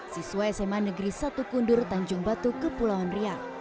siswa sma negeri satu kundur tanjung batu ke pulau andria